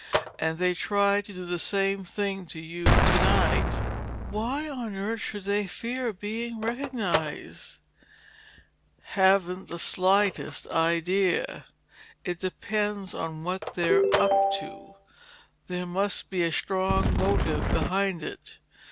And they tried to do the same thing to you tonight." "Why on earth should they fear being recognized?" "Haven't the slightest idea. It depends on what they're up to. There must be a strong motive behind it.